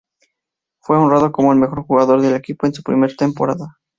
Fue honrado como el mejor jugador del equipo en su primer temporada.